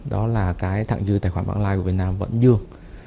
đó là cái thẳng dư tài khoản bán like của việt nam vẫn dương